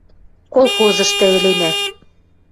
Колхозышты ӹленӓ